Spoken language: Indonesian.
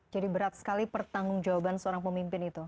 jadi berat sekali pertanggung jawaban seorang pemimpin itu